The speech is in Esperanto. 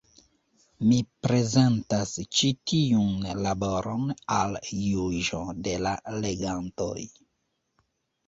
Mi prezentas ĉi tiun laboron al juĝo de la legantoj.